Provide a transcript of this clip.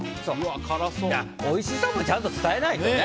おいしさもちゃんと伝えないとね。